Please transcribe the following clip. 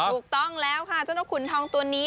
ถูกต้องแล้วค่ะเจ้านกขุนทองตัวนี้